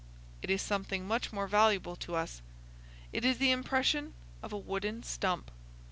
"It is something much more valuable to us. It is the impression of a wooden stump.